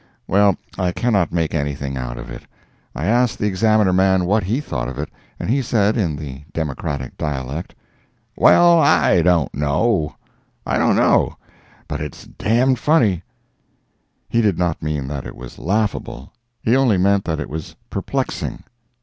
Well, I cannot make anything out of it. I asked the Examiner man what he thought of it, and he said, in the Democratic dialect: "Well, I don 't know—I don't know—but it's d___d funny." He did not mean that it was laughable—he only meant that it was perplexing.